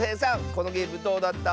このゲームどうだった？